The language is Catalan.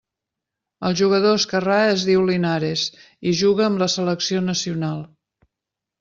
El jugador esquerrà es diu Linares i juga amb la selecció nacional.